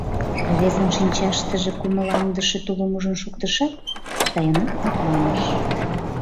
Рвезын шинчаштыже кумылаҥдыше тулым ужын шуктышат, сайынак лыпланыш.